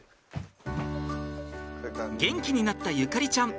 元気になった縁ちゃん。